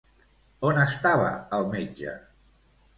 On estava el metge?